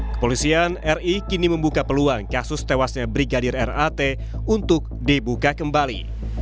kepolisian ri kini membuka peluang kasus tewasnya brigadir rat untuk dibuka kembali